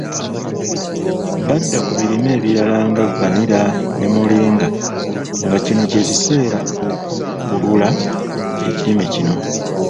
Badda ku birime ebirala nga Vanilla ne Moringa, nga kino kye kiseera okubbulula ekirime kino.